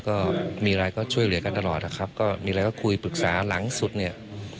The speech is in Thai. ก็มีอะไรก็ช่วยเหลือกันตลอดนะครับก็มีอะไรก็คุยปรึกษาหลังสุดเนี่ย